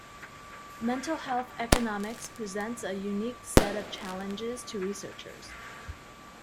Mental health economics presents a unique set of challenges to researchers.